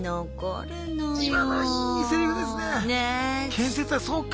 建設はそうか。